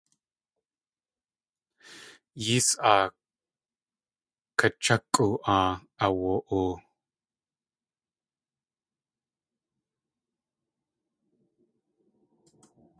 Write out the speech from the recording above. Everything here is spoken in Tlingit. Yées aa kachʼákʼwaa aawa.oo.